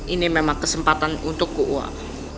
ini memang kesempatan untukku wak